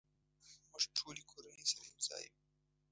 مونږ ټولې کورنۍ سره یوځای یو